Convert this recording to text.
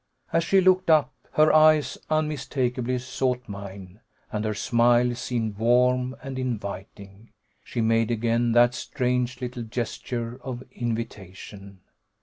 As she looked up, her eyes unmistakably sought mine, and her smile seemed warm and inviting. She made again that strange little gesture of invitation.